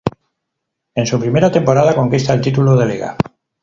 En su primera temporada conquista el título de Liga.